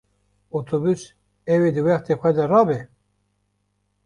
Otobus ew ê di wextê xwe de rabe?